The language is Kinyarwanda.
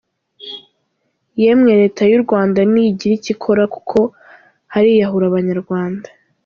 Yemwe reta yu Rwanda nigiricyikora kuko hariyahura abanyarwanda .